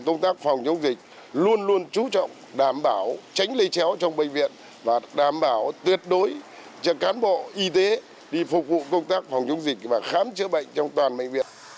công tác phòng chống dịch luôn luôn trú trọng đảm bảo tránh lây chéo trong bệnh viện và đảm bảo tuyệt đối cho cán bộ y tế đi phục vụ công tác phòng chống dịch và khám chữa bệnh trong toàn bệnh viện